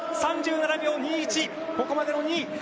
３７秒２１、ここまでの２位。